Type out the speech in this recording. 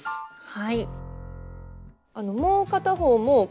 はい。